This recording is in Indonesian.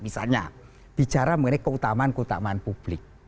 misalnya bicara mengenai keutamaan keutamaan publik